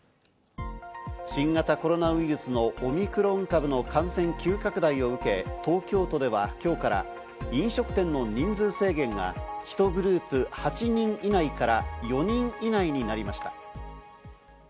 新型コロナウイルスのオミクロン株の感染急拡大を受け、東京都では今日から飲食店の人数制限が１グループ８人以内から４人以内になります。